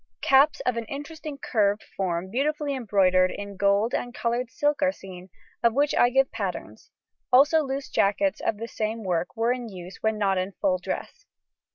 Caps of an interesting curved form beautifully embroidered in gold and coloured silks are seen, of which I give patterns; also loose jackets of the same work were in use when not in full dress.